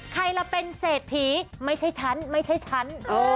ใครล่ะเป็นเศรษฐีไม่ใช่ฉันไม่ใช่ฉัน